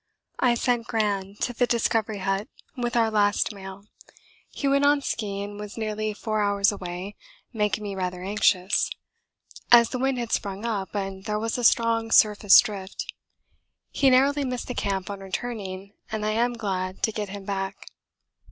I sent Gran to the Discovery hut with our last mail. He went on ski and was nearly 4 hours away, making me rather anxious, as the wind had sprung up and there was a strong surface drift; he narrowly missed the camp on returning and I am glad to get him back.